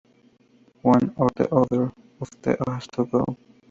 One or the other of us has to go"".